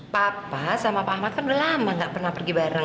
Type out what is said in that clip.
papa sama pak ahmad kan udah lama gak pernah pergi bareng